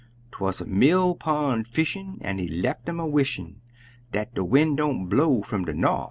'Twuz a mill pon' fishin', an' he lef um a wishin' Dat de win' don't blow fum de norf!